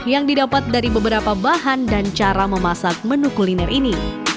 yang didapat dari beberapa bahan dan cara memasak menu kuliner ini